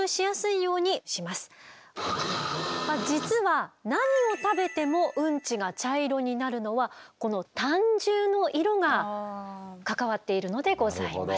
実は何を食べてもウンチが茶色になるのはこの胆汁の色が関わっているのでございます。